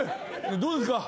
どうですか？